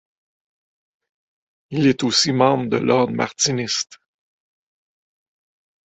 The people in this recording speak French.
Il est aussi membre de l'ordre Martiniste.